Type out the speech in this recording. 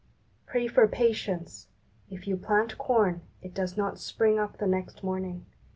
Pray for patience. If you plant corn, it does not spring up the next morning.